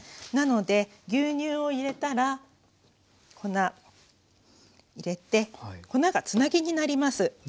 なので牛乳を入れたら粉入れて粉がつなぎになります。